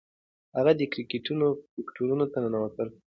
هغې د کرکټرونو فکرونو ته ننوتله.